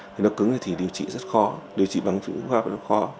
nếu nó cứng thì điều trị rất khó điều trị bằng phí hữu hóa rất khó